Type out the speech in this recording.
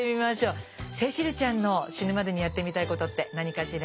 聖秋流ちゃんの死ぬまでにやってみたいことって何かしら？